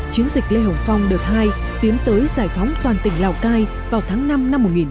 chiến dịch lê hồng phong đợt hai tiến tới giải phóng toàn tỉnh lào cai vào tháng năm năm một nghìn chín trăm bảy mươi năm